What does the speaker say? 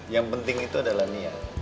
yang penting itu adalah niat